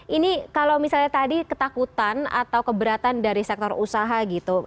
ini kalau misalnya tadi ketakutan atau keberatan dari sektor usaha gitu